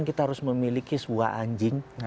kita harus memiliki sebuah anjing